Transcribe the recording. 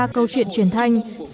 ba mươi ba câu chuyện truyền thanh